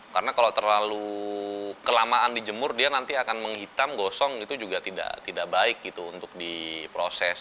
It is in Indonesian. karena kalau terlalu kelamaan dijemur dia nanti akan menghitam gosong itu juga tidak baik untuk diproses